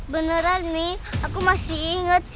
beneran nih aku masih ingat